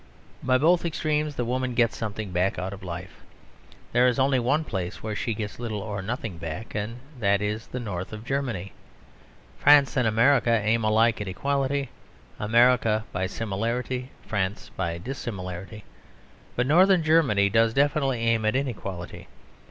By both extremes the woman gets something back out of life. There is only one place where she gets little or nothing back; and that is the north of Germany. France and America aim alike at equality; America by similarity; France by dissimilarity. But North Germany does definitely aim at inequality.